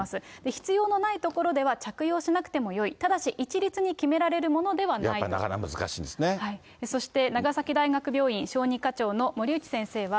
必要のないところでは、着用しなくてもよい、ただし、やっぱりなかなか難しいんでそして、長崎大学病院小児科長の森内先生は。